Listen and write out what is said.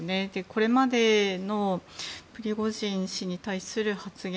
これまでのプリゴジン氏に対する発言